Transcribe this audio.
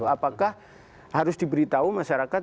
apakah harus diberi tahu masyarakat